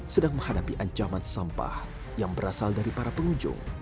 sedang menghadapi ancaman sampah yang berasal dari para pengunjung